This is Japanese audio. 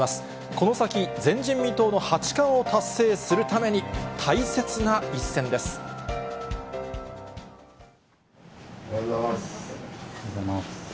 この先、前人未到の八冠を達成するために、おはようございます。